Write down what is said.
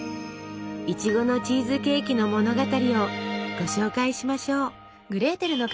いちごのチーズケーキの物語をご紹介しましょう。